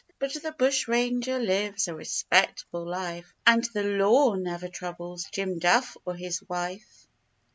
But the bushranger lives a respectable life, And the law never troubles Jim Duff or his wife.